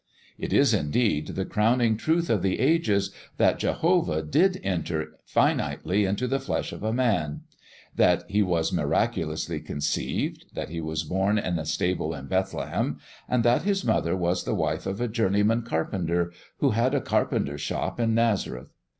It is, indeed, the crowning truth of the ages that Jehovah did enter finitely into the flesh of a man; that He was miraculously conceived; that He was born in a stable in Bethlehem, and that His mother was the wife of a journeyman carpenter, who had a carpenter shop in Nazareth.